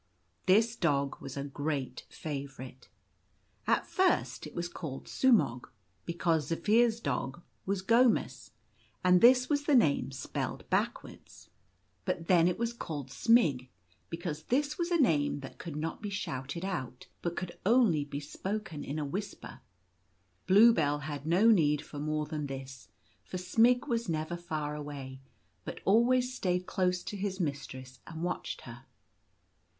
This dog was a great favourite. At first it was called Sumog, because Zaphir's dog was Gomus, and this was the name spelled backwards. But then it was called The News of the Giant. 21 Smg because this was a name that could not be shouted out, but could only be spoken in a whisper. Bluebell had no need for more than this, for Smg was never far away, but always stayed close to his mistress and watched her.